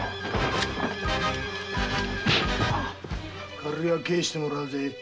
借りは返してもらうぜ。